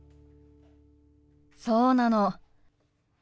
そうなの。